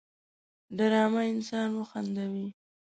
ډرامه انسان وخندوي